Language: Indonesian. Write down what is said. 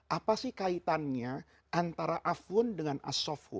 apa sih kaitannya antara afun dengan asofw